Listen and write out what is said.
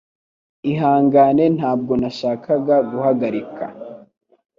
Ihangane ntabwo nashakaga guhagarika